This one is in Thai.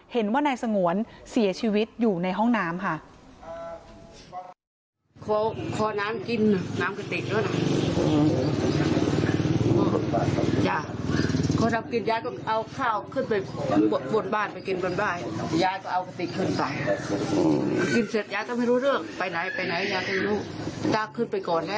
เห็นว่านายสงวนเสียชีวิตอยู่ในห้องน้ำค่ะ